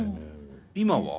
今は？